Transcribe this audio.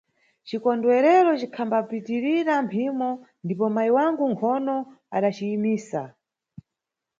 Cikondwerero cikhambapitirira mphimo ndipo mayi wangu mʼgono adaciyimisa.